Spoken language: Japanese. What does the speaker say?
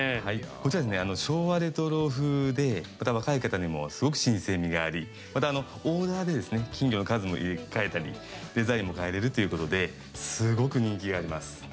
こちら、昭和レトロ風でまた、若い人にもすごく新鮮みがありオーダーで金魚の数も入れ替えたりデザインも変えれるということですごく人気があります。